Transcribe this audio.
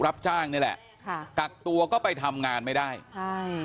รับจ้างนี่แหละค่ะกักตัวก็ไปทำงานไม่ได้ใช่